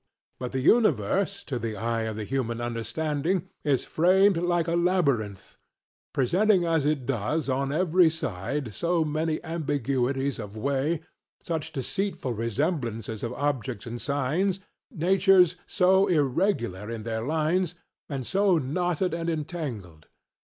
But the universe to the eye of the human understanding is framed like a labyrinth; presenting as it does on every side so many ambiguities of way, such deceitful resemblances of objects and signs, natures so irregular in their lines, and so knotted and entangled.